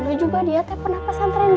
kan dulu juga dia teh pernah pasang kainnya